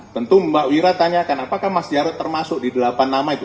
tentu mbak wira tanyakan apakah mas jarod termasuk di delapan nama itu